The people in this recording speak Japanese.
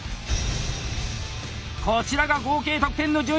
こちらが合計得点の順位！